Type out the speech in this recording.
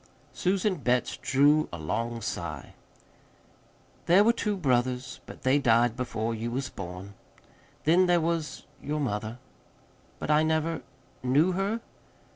Susan Betts drew a long sigh. "There were two brothers, but they died before you was born. Then there was your mother." "But I never knew her?"